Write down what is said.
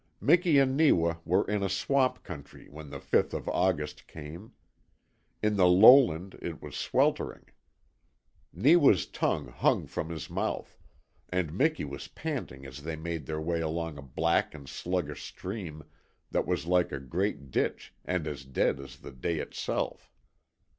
Miki and Neewa were in a swamp country when the fifth of August came. In the lowland it was sweltering. Neewa's tongue hung from his mouth, and Miki was panting as they made their way along a black and sluggish stream that was like a great ditch and as dead as the day itself.